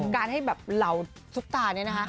การให้แบบเหล่าซุปตาเนี่ยนะคะ